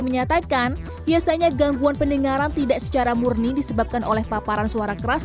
menyatakan biasanya gangguan pendengaran tidak secara murni disebabkan oleh paparan suara keras